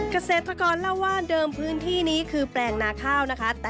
เกษตรกรเล่าว่าเดิมพื้นที่นี้คือแปลงนาข้าวนะคะ